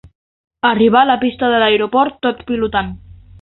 Arribar a la pista de l'aeroport tot pilotant.